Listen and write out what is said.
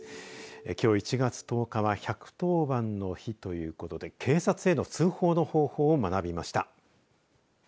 きょう、１月１０日は１１０番の日ということで警察への通報の方法を学びました。